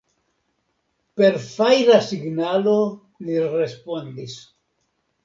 Per fajra signalo, li respondis.